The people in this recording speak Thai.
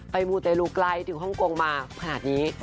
ไปมูลเตรียมลูกไกลถึงฮ่องกงมาขนาดนี้